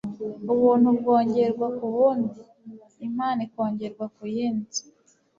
Ubuntu bwongerwa ku bundi, impano ikongerwa ku yindi.